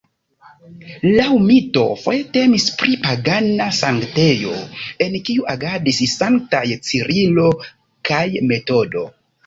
Laŭ mito foje temis pri pagana sanktejo, en kiu agadis sanktaj Cirilo kaj Metodo.